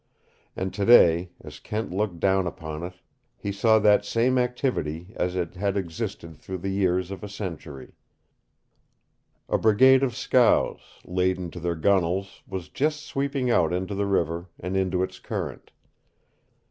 And today, as Kent looked down upon it, he saw that same activity as it had existed through the years of a century. A brigade of scows, laden to their gunwales, was just sweeping out into the river and into its current.